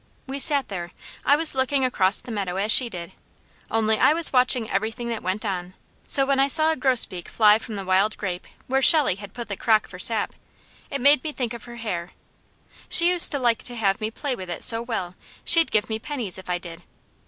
We sat there; I was looking across the meadow as she did, only I was watching everything that went on, so when I saw a grosbeak fly from the wild grape where Shelley had put the crock for sap, it made me think of her hair. She used to like to have me play with it so well, she'd give me pennies if I did.